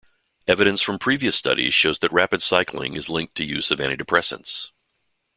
Evidence from previous studies shows that rapid cycling is linked to use of antidepressants.